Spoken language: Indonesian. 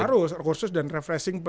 harus kursus dan refreshing